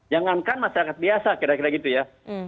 jangankan masyarakat biasa kira kira gitu ya